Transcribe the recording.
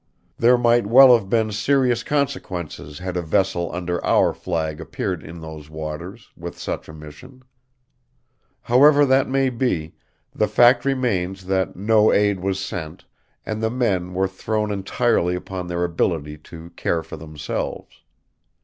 There might well have been serious consequences had a vessel under our flag appeared in those waters, with such a mission. However that may be, the fact remains that no aid was sent, and the men were thrown entirely upon their ability to care for themselves.